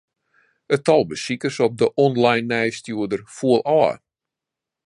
It tal besikers op de online nijsstjoerder foel ôf.